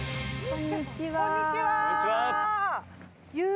こんにちは。